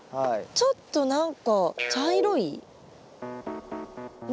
ちょっと何か茶色い？ね？